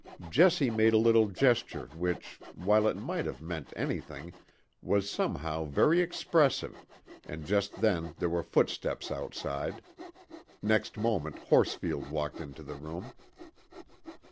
Jessie made a little gesture which, while it might have meant anything, was somehow very expressive, and just then there were footsteps outside. Next moment Horsfield walked into the room.